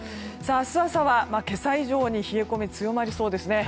明日朝は今朝以上に冷え込みが強まりそうですね。